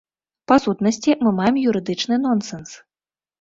Па-сутнасці мы маем юрыдычны нонсенс.